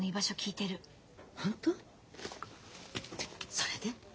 それで？